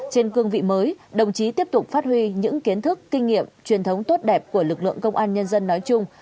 trên cương vị mới đồng chí tiếp tục phát huy những kiến thức kinh nghiệm truyền thống tốt đẹp của lực lượng công an nhân dân nói chung